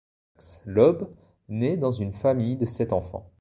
Max Lobe naît dans une famille de sept enfants.